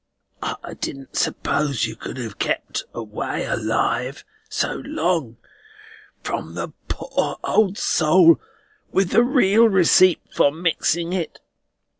"I didn't suppose you could have kept away, alive, so long, from the poor old soul with the real receipt for mixing it.